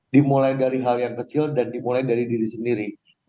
dimulai dari hal yang kecil dan dimulai dari diri sendiri